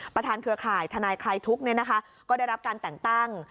ประธานเครือข่ายทนายไครทุกข์เนี่ยนะคะก็ได้รับการแต่งตั้ง